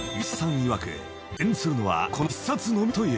いわく現存するのはこの１冊のみだという。